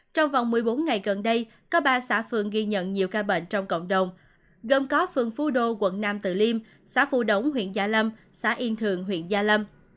trong vòng một mươi bốn ngày gần đây có ba xã phường ghi nhận nhiều ca bệnh trong cộng đồng gồm có phường phu đô quận nam từ liêm xã phu đống huyện gia lâm xã yên thường huyện gia lâm